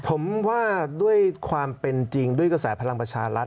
ผมว่าด้วยความเป็นจริงด้วยกระแสพลังประชารัฐ